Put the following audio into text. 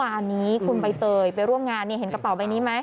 วันนี้คุณใบเตยไปร่วมงานเห็นกระเป๋าใบนี้ไหม